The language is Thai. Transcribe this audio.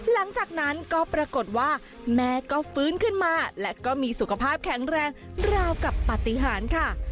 หลังจากนั้นก็ปรากฏว่าแม่ก็ฟื้นขึ้นมาและก็มีสุขภาพแข็งแรงราวกับปฏิหารค่ะ